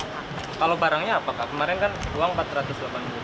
kalau barangnya apa kak kemarin kan uang rp empat ratus delapan puluh